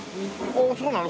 ああそうなの？